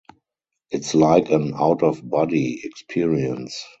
It's like an out-of-body experience.